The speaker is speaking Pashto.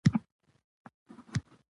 اداري عدالت سوله پیاوړې کوي